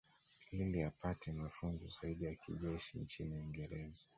Ili apate mafunzo zaidi ya kijeshi nchini Uingereza